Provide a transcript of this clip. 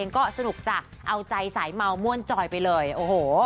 ก็สนุกจ้ะเอาใจสายเมาม่วนจอยไปเลยโอ้โห